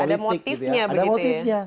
ada motifnya begitu ya